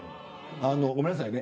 あのごめんなさいね。